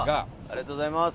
ありがとうございます！